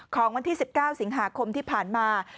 ของวันที่๑๙สิงหาคมที่ผ่านมา